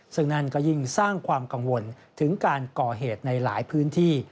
ซึ่งนั่นก็ยิ่งสร้างความกังวลถึงการก่อเหตุในหลายพื้นที่